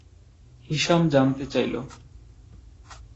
Hisham জানতে চাইল।